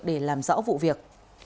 để làm rõ vụ việc